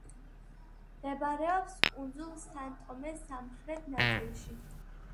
მდებარეობს კუნძულ სან-ტომეს სამხრეთ ნაწილში.